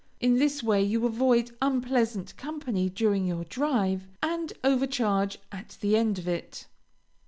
In this way you avoid unpleasant company during your drive, and overcharge at the end of it.